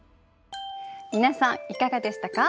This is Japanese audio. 皆さんいかがでしたか？